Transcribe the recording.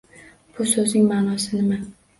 Bu so'zning ma’nosi nima?